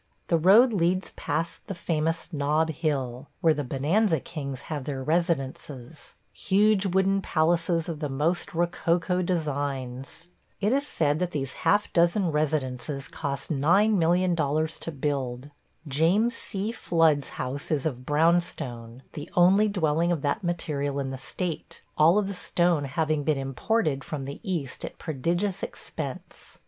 The road leads past the famous Nob Hill, where the bonanza kings have their residences – huge wooden palaces of the most rococo designs. It is said that these half dozen residences cost $9,000,000 to build. James C. Flood's house is of brown stone, the only dwelling of that material in the state, all of the stone having been imported from the East at prodigious expense.